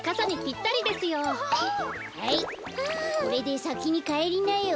はいこれでさきにかえりなよ。